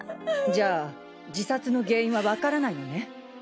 じゃあ自殺の原因はわからないのね？